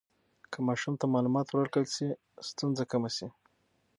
که ماشوم ته معلومات ورکړل شي، ستونزه کمه شي.